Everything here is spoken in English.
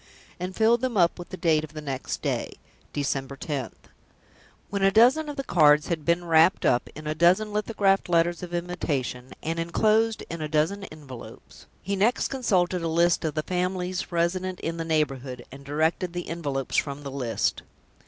and filled them up with the date of the next day, "December 10th." When a dozen of the cards had been wrapped up in a dozen lithographed letters of invitation, and inclosed in a dozen envelopes, he next consulted a list of the families resident in the neighborhood, and directed the envelopes from the list.